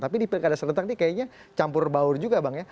tapi di pilkada serentak ini kayaknya campur baur juga bang ya